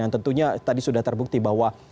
dan tentunya tadi sudah terbukti bahwa